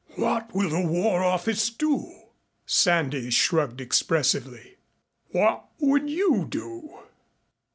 "What will the War Office do?" Sandys shrugged expressively. "What would you do?"